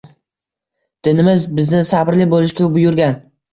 Dinimiz bizni sabrli bo‘lishga buyurgan